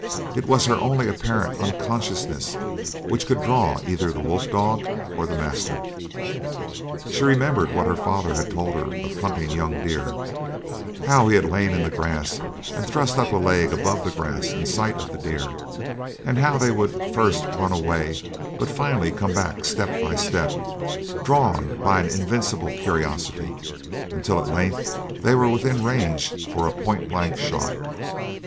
It was only her apparent unconsciousness which could draw either the wolf dog or the master. She remembered what her father had told her of hunting young deer how he had lain in the grass and thrust up a leg above the grass in sight of the deer and how they would first run away but finally come back step by step, drawn by an invincible curiosity, until at length they were within range for a point blank shot.